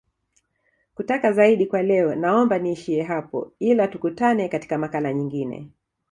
kutaka zaidi kwa leo naomba niishie hapo ila tukutane katika makala nyingine